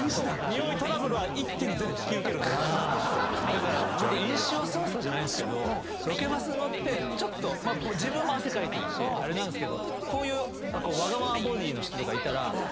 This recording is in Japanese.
だから僕印象操作じゃないんですけどロケバス乗ってちょっと自分も汗かいてるしあれなんですけどこういうわがままボディの人とかいたら。